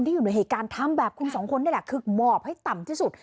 อยู่ในเหตุการณ์ทำแบบคุณสองคนนี่แหละคือหมอบให้ต่ำที่สุด